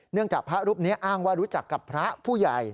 จากพระรูปนี้อ้างว่ารู้จักกับพระผู้ใหญ่